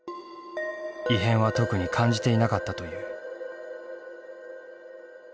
異変は特に感じていなかったという。